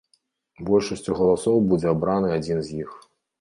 Большасцю галасоў будзе абраны адзін з іх.